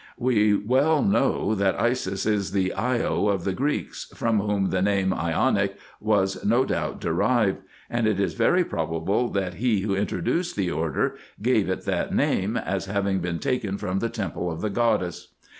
We well know, that Isis is the Io of the Greeks, from whom the name of Ionic was no doubt derived ; and it is very probable, that he Avho introduced the order gave it that name, as having been taken from the temple of the goddess.